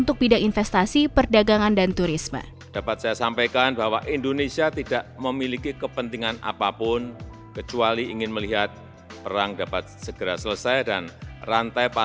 jokowi juga mendiskusikan bahwa indonesia tidak memiliki kepentingan apapun kepentingan ratusan juta orang bahkan miliardan manusia